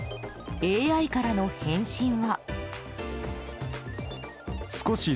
ＡＩからの返信は。